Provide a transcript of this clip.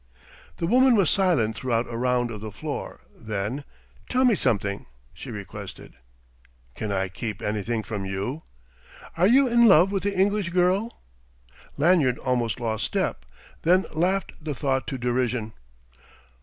The woman was silent throughout a round of the floor; then, "Tell me something," she requested. "Can I keep anything from you?" "Are you in love with the English girl?" Lanyard almost lost step, then laughed the thought to derision.